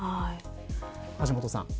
橋下さん。